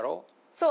そう。